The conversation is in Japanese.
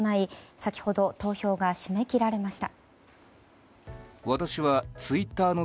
先ほど投票が締め切られました。